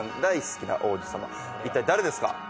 一体誰ですか？